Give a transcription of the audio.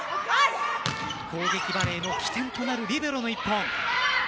攻撃バレーの起点となるリベロの１本。